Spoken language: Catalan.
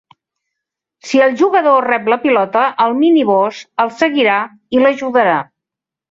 Si el jugador rep la pilota, el miniboss el seguirà i l'ajudarà.